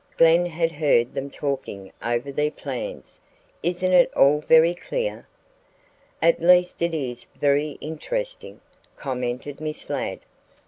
Glen had heard them talking over their plans, isn't it all very clear?" "At least it is very interesting," commented Miss Ladd.